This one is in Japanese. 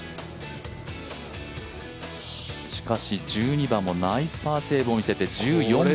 しかし１２番もナイスパーセーブを見せて、１４番。